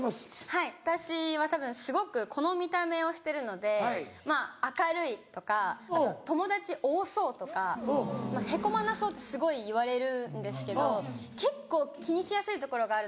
はい私はたぶんすごくこの見た目をしてるのでまぁ明るいとかあと友達多そうとかまぁ凹まなそうってすごい言われるんですけど結構気にしやすいところがあるので。